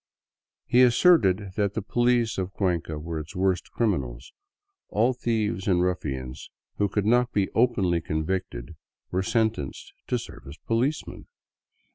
He asserted that the police of Cuenca were its worst criminals ; all thieves and ruffians who could not be openly convicted were sentenced to serve as policemen.